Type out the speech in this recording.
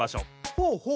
ほうほう。